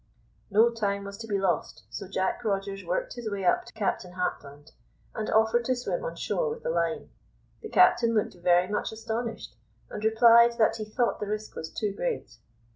No time was to be lost, so Jack Rogers worked his way up to Captain Hartland, and offered to swim on shore with the line. The captain looked very much astonished, and replied that he thought the risk was too great.